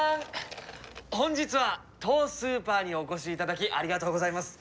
本日は当スーパーにお越しいただきありがとうございます。